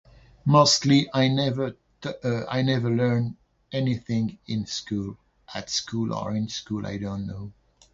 Mostly I never t- a- I never learned anything in school. At school or in school? I don't know.